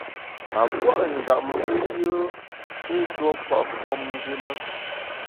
A puâ’ njap mbe yùe i ntuo kwet famnjù na.